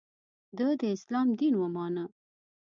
د ه داسلام دین ومانه.